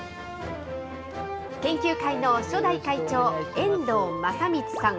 研究会の初代会長、遠藤将光さん